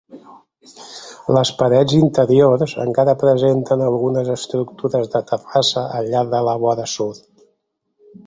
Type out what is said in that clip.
Les parets interiors encara presenten algunes estructures de terrassa al llarg de la vora sud.